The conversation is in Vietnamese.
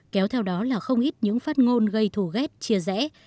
kéo theo đó là không ít những phát ngôn gây thù ghét chia rẽ